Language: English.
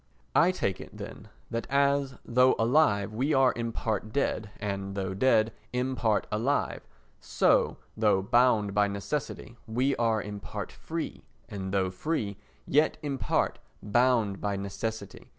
I take it, then, that as, though alive, we are in part dead and, though dead, in part alive, so, though bound by necessity, we are in part free, and, though free, yet in part bound by necessity.